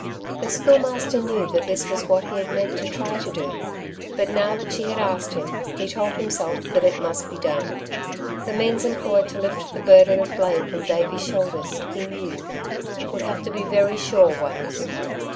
The Schoolmaster knew that this was what he had meant to try to do; but now that she had asked him, he told himself that it must be done. The means employed to lift the burden of blame from Davey's shoulders he knew would have to be very sure ones.